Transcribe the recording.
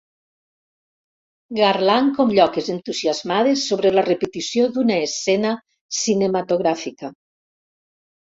Garlant com lloques entusiasmades sobre la repetició d'una escena cinematogràfica.